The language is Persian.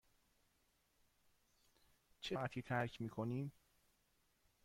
چه ساعتی ترک می کنیم؟